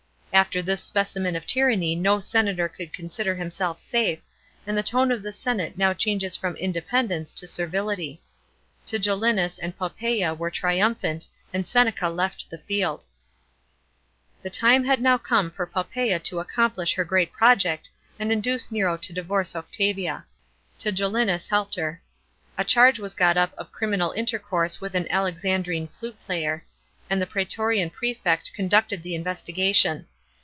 After this specimen « f tyranny no senator could consider himself safe, and the tone of the senate now changes from independence to servility. Tigellinus and Poppsea were triumphant, ami Seneca left, the fit Id. § 10. The time had now come for Poppsea to accomplish her great project, and induce Nero to divorce Octavia. Tigellinus helped her. A charge was goc up of criminal intercourse wiih an Alexandrine flute player, and the praetorian prelect conducted the investigation.